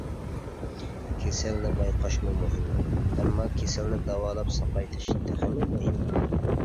كېسەلنى بايقاشمۇ مۇھىم، ئەمما كېسەلنى داۋالاپ ساقايتىش تېخىمۇ مۇھىم.